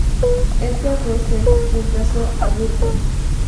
Edward Roussel reemplazó a Burton.